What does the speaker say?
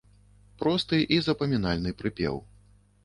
Просты і запамінальны прыпеў.